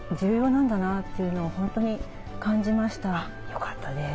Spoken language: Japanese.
よかったです。